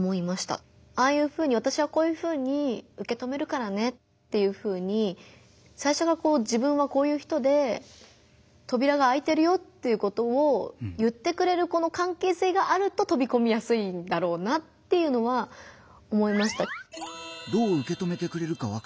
ああいうふうに「わたしはこういうふうに受け止めるからね」っていうふうにさいしょから自分はこういう人でとびらがあいてるよっていうことを言ってくれるこの関係性があるととびこみやすいんだろうなっていうのは思いました。